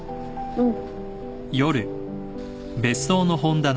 うん。